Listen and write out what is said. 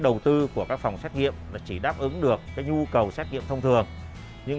đầu tư của các phòng xét nghiệm là chỉ đáp ứng được cái nhu cầu xét nghiệm thông thường nhưng